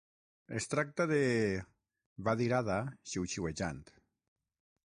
"Es tracta de..." va dir Ada xiuxiuejant.